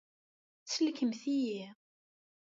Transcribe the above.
Sellkemt-iyi.